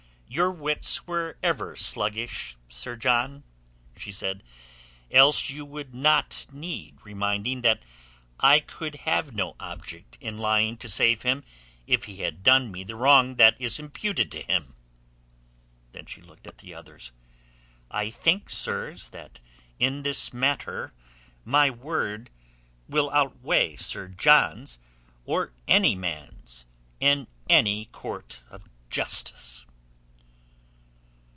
"Your wits were ever sluggish, Sir John," she said. "Else you would not need reminding that I could have no object in lying to save him if he had done me the wrong that is imputed to him." Then she looked at the others. "I think, sirs, that in this matter my word will outweigh Sir John's or any man's in any court of justice."